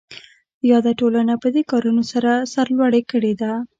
یاده ټولنه پدې کارونو سره سرلوړې کړې ده.